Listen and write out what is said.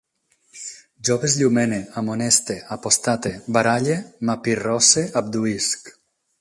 Jo besllumene, amoneste, apostate, baralle, m'apirrosse, abduïsc